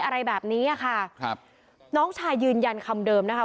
อะไรแบบนี้อ่ะค่ะครับน้องชายยืนยันคำเดิมนะคะ